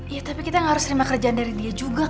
ya tapi kita gak harus terima kerjaan dari bandung bunda warsop